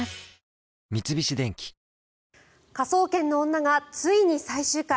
三菱電機「科捜研の女」がついに最終回。